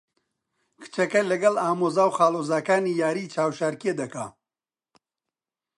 کچەکە لەگەڵ ئامۆزا و خاڵۆزاکانی یاریی چاوشارکێ دەکا.